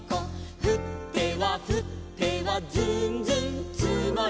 「ふってはふってはずんずんつもる」